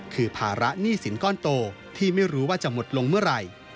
คือภาระหนี้สินก้อนโตที่ไม่รู้ว่าจะหมดลงเมื่อไหร่